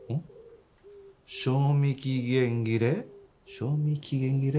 賞味期限切れ？